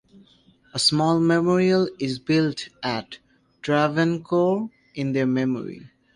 A small memorial is built at Travancore in their memory.